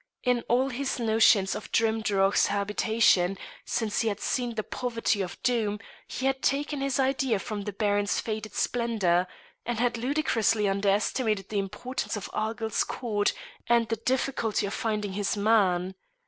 In all his notions of Drimdarroch's habitation, since he had seen the poverty of Doom, he had taken his idea from the baron's faded splendour, and had ludicrously underestimated the importance of Argyll's court and the difficulty of finding his man.